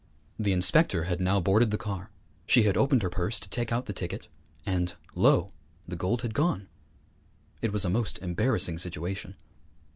The inspector had now boarded the car; she had opened her purse to take out the ticket, and, lo, the gold had gone! It was a most embarrassing situation.